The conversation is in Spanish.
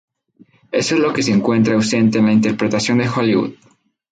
Eso es lo que se encuentra ausente en la interpretación de Hollywood.